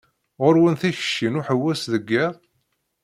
Ɣur-wen tikci n uḥewwes deg iḍ?